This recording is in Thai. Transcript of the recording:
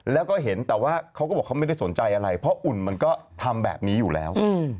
แล้วก็เห็นแต่ว่าเขาก็บอกเขาไม่ได้สนใจอะไรเพราะอุ่นมันก็ทำแบบนี้อยู่แล้ว